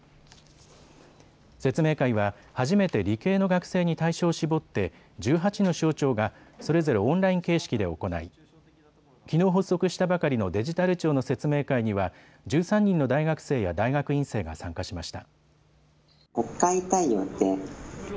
説明会は初めて理系の学生に対象を絞って１８の省庁がそれぞれオンライン形式で行い、きのう発足したばかりのデジタル庁の説明会には１３人の大学生や大学院生が参加しました。